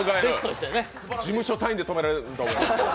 事務所単位で止められると思います。